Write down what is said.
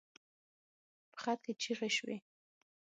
په خط کې چيغې شوې.